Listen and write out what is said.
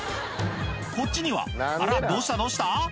こっちにはあらどうしたどうした？